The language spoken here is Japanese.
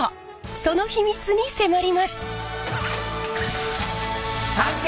その秘密に迫ります。